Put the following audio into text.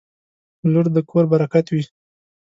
• لور د کور برکت وي.